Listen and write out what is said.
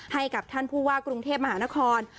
ให้กับท่านผู้ว่ากรุงเทพมหานคร